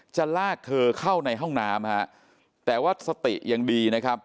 จะลากเธอเข้าในห้องน้ำแต่ว่าสติอย่างดี